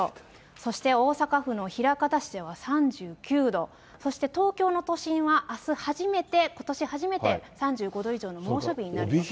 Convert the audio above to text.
そして大阪府の枚方市では３９度、そして東京の都心はあす初めて、ことし初めて３５度以上の猛暑日になる予想です。